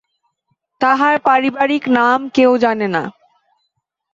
তাঁহার পারিবারিক নাম কেউ জানে না।